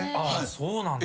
そうなんだ。